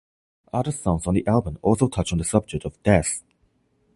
Other songs on the album also touch on the subject of death.